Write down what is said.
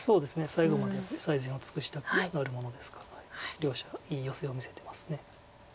最後まで最善を尽くしたくなるものですから両者いいヨセを見せてます。